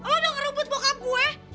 lo udah ngerebut bokap gue